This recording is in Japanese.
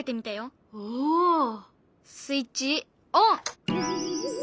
スイッチオン！